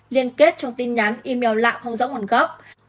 liên kết trong tin nhắn email lạ không rõ nguồn gốc